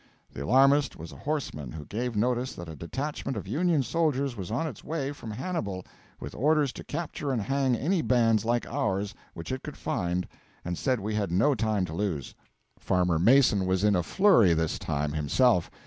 The alarmist was a horseman who gave notice that a detachment of Union soldiers was on its way from Hannibal with orders to capture and hang any bands like ours which it could find, and said we had no time to lose. Farmer Mason was in a flurry this time, himself.